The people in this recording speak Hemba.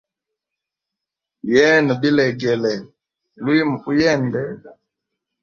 Yena bilegele lwimu uyende.